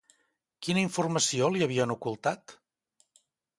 Quina informació li havien ocultat?